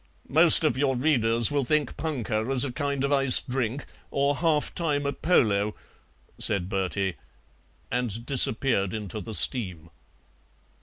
'" "Most of your readers will think 'punkah' is a kind of iced drink or half time at polo," said Bertie, and disappeared into the steam.